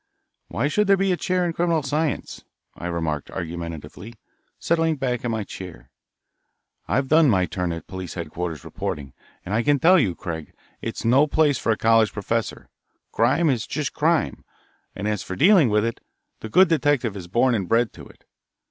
"Why should there be a chair in criminal science?" I remarked argumentatively, settling back in my chair. "I've done my turn at police headquarters reporting, and I can tell you, Craig, it's no place for a college professor. Crime is just crime. And as for dealing with it, the good detective is born and bred to it.